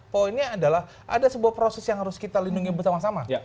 poinnya adalah ada sebuah proses yang harus kita lindungi bersama sama